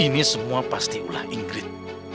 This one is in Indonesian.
ini semua pasti ulah ingkrit